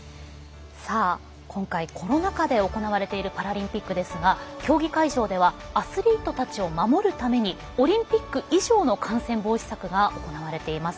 今回コロナ禍で行われているパラリンピックですが競技会場ではアスリートたちを守るためにオリンピック以上の感染防止策が行われています。